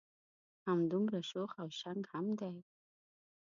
همدمره شوخ او شنګ هم دی.